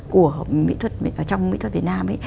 của mỹ thuật trong mỹ thuật việt nam ấy